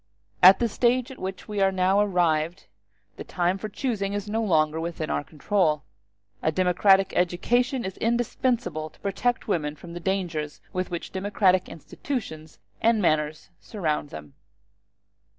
At the stage at which we are now arrived the time for choosing is no longer within our control; a democratic education is indispensable to protect women from the dangers with which democratic institutions and manners surround them.